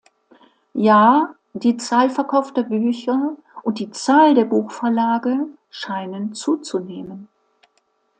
Ja, die Zahl verkaufter Bücher und die Zahl der Buchverlage scheinen zuzunehmen.